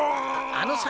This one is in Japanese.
あのさ